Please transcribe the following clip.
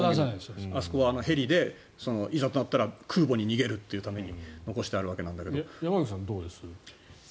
あそこはヘリでいざとなったら空母に逃げるというために残してあるわけなんだけど。